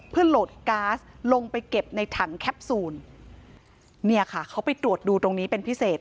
เพื่อโหลดก๊าซลงไปเก็บในถังแคปซูลเนี่ยค่ะเขาไปตรวจดูตรงนี้เป็นพิเศษ